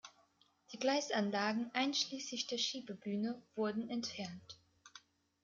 Die Gleisanlagen einschließlich der Schiebebühne wurden entfernt.